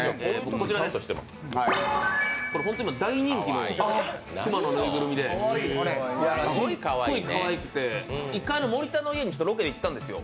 こちらです、これ大人気のクマのぬいぐるみで、すっごいかわいくて、１回、森田の家にロケで行ったんですよ。